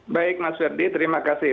baik mas ferdi terima kasih